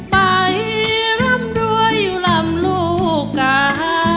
ไปร่ำรวยร่ำลูกกาย